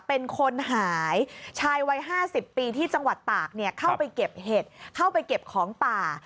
เป็นคนหายชายวัย๕๐ปีที่จังหวัดตากเข้าไปเก็บเห็ดเข้าไปเก็บของป่า